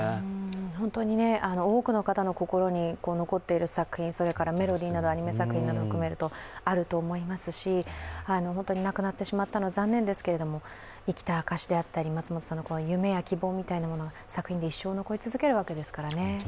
本当に多くの方の心に残っている作品、それからメロディーなど、アニメ作品などを含めるとあると思いますし、本当に亡くなってしまったのは残念ですけれども、生きた証しであったり、松本さんの夢や希望みたいなものは作品で一生残り続けるわけですからね。